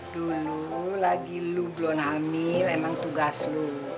dulu lagi lu belum hamil emang tugas lu